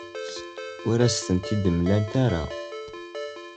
Ur asen-tent-id-mlant ara.